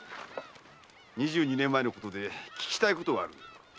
二十二年前のことで聞きたいことがあるんだが。